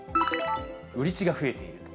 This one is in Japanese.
売り地が増えていると。